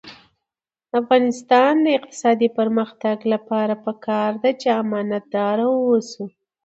د افغانستان د اقتصادي پرمختګ لپاره پکار ده چې امانتدار اوسو.